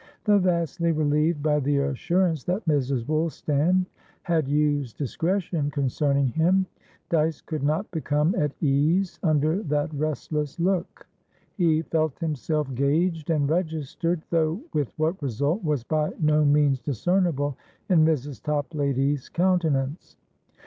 Though vastly relieved by the assurance that Mrs. Woolstan had used discretion concerning him, Dyce could not become at ease under that restless look: he felt himself gauged and registered, though with what result was by no means discernible in Mrs. Toplady's countenance.